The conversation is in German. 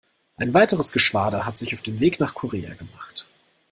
Ein weiteres Geschwader hat sich auf den Weg nach Korea gemacht.